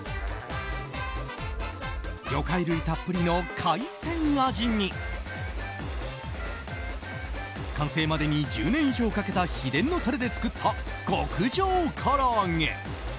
魚介類たっぷりの海鮮味に完成までに１０年以上かけた秘伝のタレで作った極上唐揚げ。